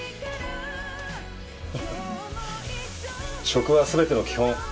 食は全ての基本。